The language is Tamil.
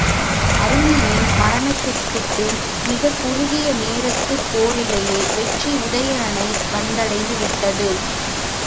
ஆருணியின் மரணத்திற்குப்பின் மிகக் குறுகிய நேரத்துப் போரிலேயே வெற்றி உதயணனை வந்தடைந்துவிட்டது.